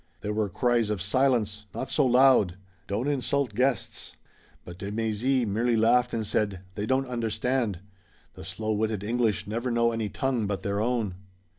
There were cries of "Silence!" "Not so loud!" "Don't insult guests!" but de Mézy merely laughed and said: "They don't understand! The slow witted English never know any tongue but their own."